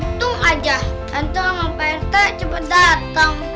untung aja tante sama pante cepet dateng